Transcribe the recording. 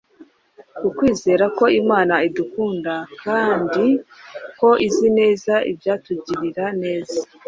ukwizera ko Imana idukunda kandi ko izi neza ibyatugirira neza.